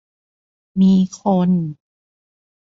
มีคน